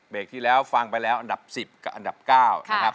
ที่แล้วฟังไปแล้วอันดับ๑๐กับอันดับ๙นะครับ